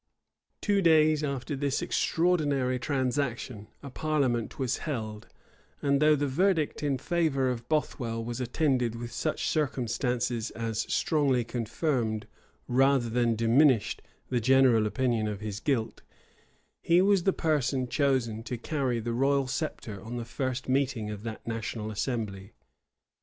Two days after this extraordinary transaction, a parliament was held; and though the verdict in favor of Bothwell was attended with such circumstances as strongly confirmed, rather than diminished, the general opinion of his guilt, he was the person chosen to carry the royal sceptre on the first meeting of that national assembly.